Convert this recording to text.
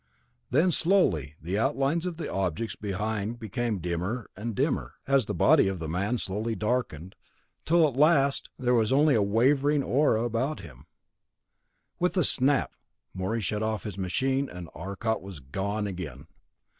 Then slowly the outlines of the objects behind became dimmer and dimmer, as the body of the man was slowly darkened, till at last there was only a wavering aura about him. With a snap Morey shut off his machine and Arcot was gone again.